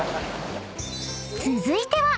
［続いては］